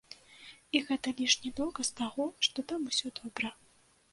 І гэта лішні доказ таго, што там усё добра.